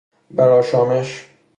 برآشامش